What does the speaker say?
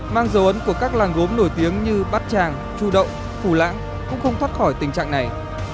mang dấu ấn của các làng gốm nổi tiếng như bát tràng chu động phù lãng cũng không thoát khỏi tình trạng này